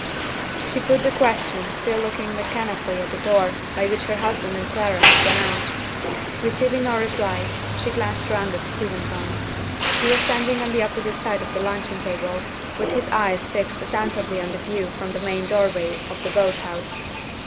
She put the question, still looking mechanically at the door by which her husband and Clara had gone out. Receiving no reply, she glanced round at Steventon. He was standing on the opposite side of the luncheon table, with his eyes fixed attentively on the view from the main doorway of the boat house.